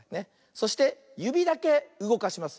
そしてゆびだけうごかします。